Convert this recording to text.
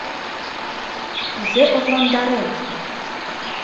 Кузе орландарем?